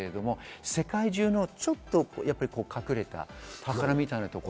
世界中のちょっと隠れた宝みたいなところ。